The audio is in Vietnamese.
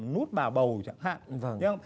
nút bà bầu chẳng hạn